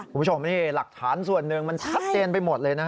คุณผู้ชมนี่หลักฐานส่วนหนึ่งมันชัดเจนไปหมดเลยนะฮะ